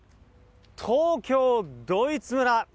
東京ドイツ村！